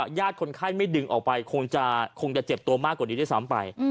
ญาติคนไข้ไม่ดึงออกไปคงจะเจ็บตัวมากกว่านี้ด้วยซ้ำไป